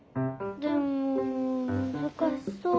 でもむずかしそう。